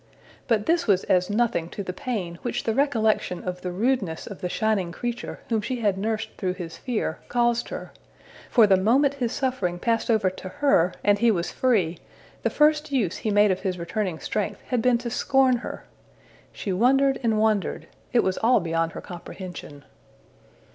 But this was as nothing to the pain which the recollection of the rudeness of the shining creature whom she had nursed through his fear caused her; for the moment his suffering passed over to her, and he was free, the first use he made of his returning strength had been to scorn her! She wondered and wondered; it was all beyond her comprehension.